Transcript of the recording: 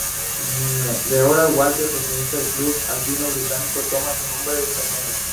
De Horace Walker, presidente del Club Alpino Británico, toma su nombre esta cumbre.